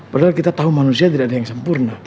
padahal kita tahu manusia tidak ada yang sempurna